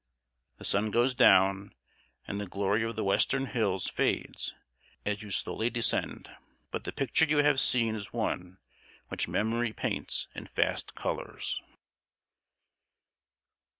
The sun goes down, and the glory of the western hills fades as you slowly descend; but the picture you have seen is one which memory paints in fast colors.